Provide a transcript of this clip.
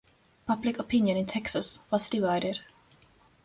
Public opinion in Texas was divided.